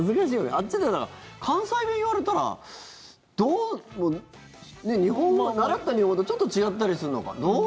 あっちだったら関西弁言われたら習った日本語とちょっと違ったりするのかな。